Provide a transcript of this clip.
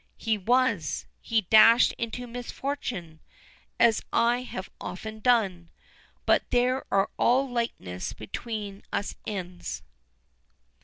"He was. He dashed into misfortune, as I have often done, but there all likeness between us ends."